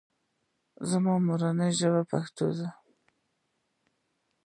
زما مورنۍ ژبه پښتو ده